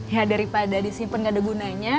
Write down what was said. ya daripada di simpen gak ada gunanya